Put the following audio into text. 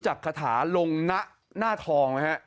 อเจมส์จากขถาลงหน้าหน้าทองนะครับ